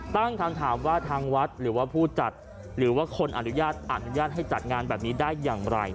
ตั้งคำถามว่าทางวัฒน์หรือผู้จัดหรือคนออนุญาตให้หยุดจัดงานแบบนี้ได้อย่างไร